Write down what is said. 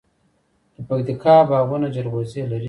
د پکتیکا باغونه جلغوزي لري.